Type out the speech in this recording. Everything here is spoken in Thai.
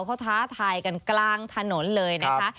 เขาท้าทายกันกลางถนนเลยนะคะ